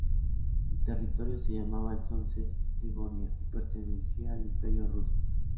El territorio se llamaba entonces Livonia y pertenecía al Imperio ruso.